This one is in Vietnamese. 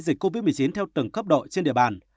dịch covid một mươi chín theo từng cấp độ trên địa bàn